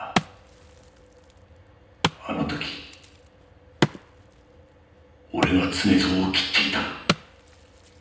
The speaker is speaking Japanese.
あの時俺が常蔵を斬っていたら。